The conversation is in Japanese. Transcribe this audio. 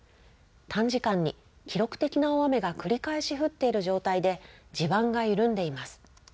短時間に記録的な大雨が繰り返し降っている状態で、地盤が緩んでいます。